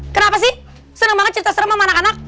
kenapa sih senang banget cerita serem sama anak anak